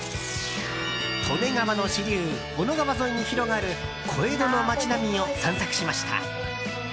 利根川の支流小野川沿いに広がる小江戸の町並みを散策しました。